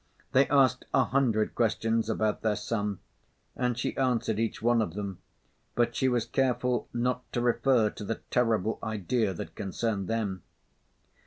They asked a hundred questions about their son, and she answered each one of them, but she was careful not to refer to the terrible idea that concerned them.